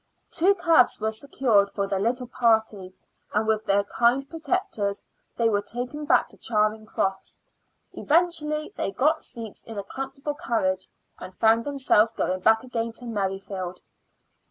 Two cabs were secured for the little party, and with their kind protectors they were taken back to Charing Cross. Eventually they got seats in a comfortable carriage, and found themselves going back again to Merrifield.